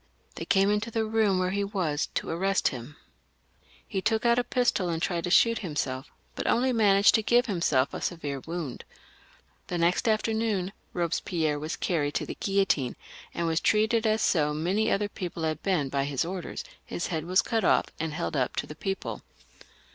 They came into the room where he was, to arrest him. He took out a pistol and tried to shoot himself, but only managed to give himself a severe wound. The next after XLIX.] THE REVOLUTION, 419 noon Eobespierre was carried to the guillotine, and was treated as so many other people had been by his orders — his head was cut off and held up to the people.